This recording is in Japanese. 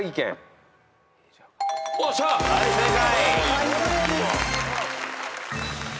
はい正解。